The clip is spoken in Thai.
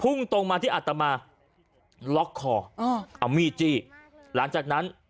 ่งตรงมาที่อัตมาล็อกคอเอามีดจี้หลังจากนั้น